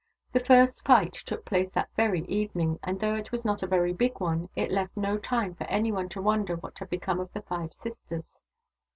The first fight took place that very evening, and though it was not a very big one, it left no time for anyone to wonder what had become of the five sisters.